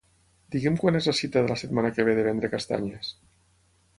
Digue'm quan és la cita de la setmana que ve de vendre castanyes.